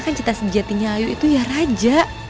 akhirnya ayu itu ya raja